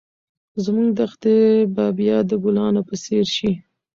زموږ دښتې به بیا د ګلانو په څېر شي.